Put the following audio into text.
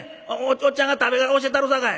おっちゃんが食べ方教えたるさかい。